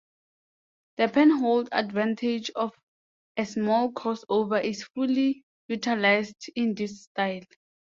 The penhold advantage of a small crossover is fully utilised in this style.